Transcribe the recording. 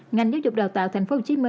ngành giáo dục đào tạo tp hcm